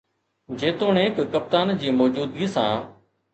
جيتوڻيڪ ڪپتان جي موجودگي سان